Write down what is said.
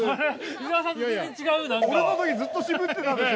伊沢さんと全然違う、なんか。